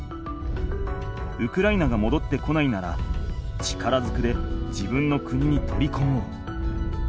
ウクライナがもどってこないなら力ずくで自分の国に取りこもう。